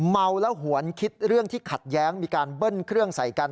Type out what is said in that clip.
เมาแล้วหวนคิดเรื่องที่ขัดแย้งมีการเบิ้ลเครื่องใส่กัน